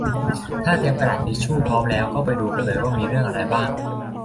ถ้าเตรียมกระดาษทิชชูพร้อมแล้วก็ไปดูกันเลยว่ามีเรื่องอะไรบ้าง